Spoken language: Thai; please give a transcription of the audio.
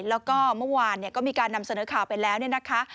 แล้วก็เมื่อวานก็มีการนำเสนอข่าวไปแล้วเนี่ยนะคะ